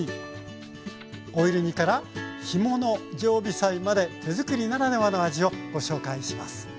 オイル煮から干物常備菜まで手づくりならではの味をご紹介します。